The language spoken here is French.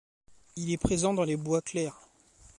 Il est présent dans les bois clairs.